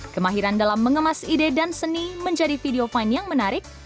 kemahiran dalam mengemas ide dan seni menjadi video fine yang menarik